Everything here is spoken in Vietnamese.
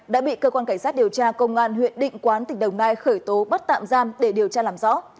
đã bị cơ quan cảnh sát điều tra công an huyện định quán tỉnh đồng nai khởi tố bắt tạm giam để điều tra làm rõ